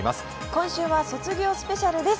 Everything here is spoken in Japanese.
今週は卒業スペシャルです。